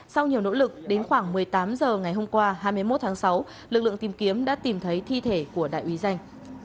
sau nhiều nỗ lực đến khoảng một mươi tám h ngày hôm qua hai mươi một tháng sáu lực lượng tìm kiếm đã tìm thấy thi thể của đại úy danh